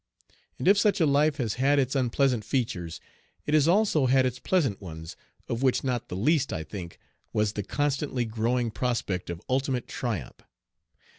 And if such a life has had its unpleasant features, it has also had its pleasant ones, of which not the least, I think, was the constantly growing prospect of ultimate triumph.